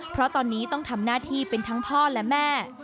เพราะตอนนี้ต้องทำหน้าที่เป็นทั้งพ่อและแม่